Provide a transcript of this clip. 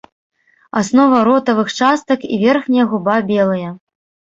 Аснова ротавых частак і верхняя губа белыя.